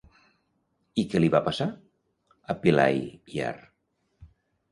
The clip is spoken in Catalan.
I què li va passar a Pilaiyar?